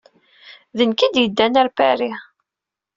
D nekk ay yeddan ɣer Paris.